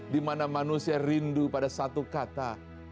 dimana manusia rindu pada satu kata